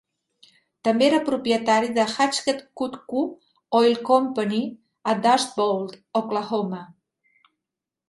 També era propietari de Hatchet-Cuckoo Oil Company a Dust Bowl, Oklahoma.